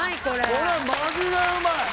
これマジでうまい！